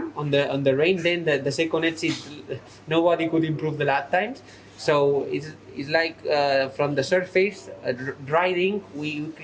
pembalap pertama adalah yang paling cepat kemudian di pembelaan kedua tidak ada yang bisa memperbaiki waktu lalu